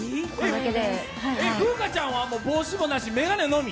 風花ちゃんは帽子もなし、眼鏡のみ？